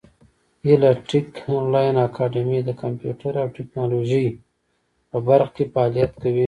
هیله ټېک انلاین اکاډمي د کامپیوټر او ټبکنالوژۍ په برخه کې فعالیت کوي.